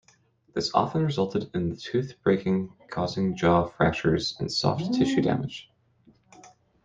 This often resulted in the tooth breaking, causing jaw fractures and soft tissue damage.